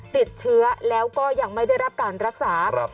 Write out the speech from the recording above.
ติดเชื้อแล้วก็ยังไม่ได้รับการรักษา